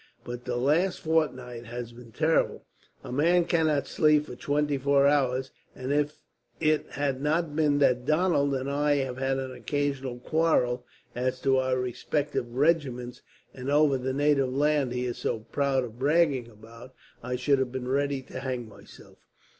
But the last fortnight has been terrible. A man cannot sleep for twenty four hours, and if it had not been that Donald and I have had an occasional quarrel, as to our respective regiments and over the native land he is so fond of bragging about, I should have been ready to hang myself.